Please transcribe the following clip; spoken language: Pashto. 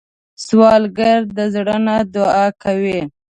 سوالګر د زړه نه دعا کوي